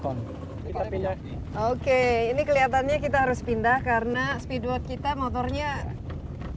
oke ini kelihatannya kita harus pindah karena speedboat kita motornya